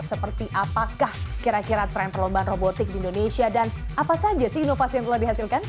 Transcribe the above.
seperti apakah kira kira tren perlombaan robotik di indonesia dan apa saja sih inovasi yang telah dihasilkan